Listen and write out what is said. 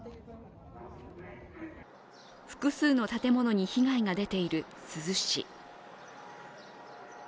複数の建物に被害が出ている珠洲市。